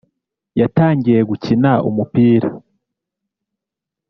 yatangiye gukina umupira